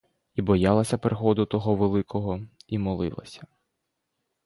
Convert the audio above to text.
І боялася приходу того великого, і молилася.